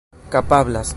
kapablas